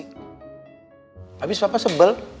habis papa sebel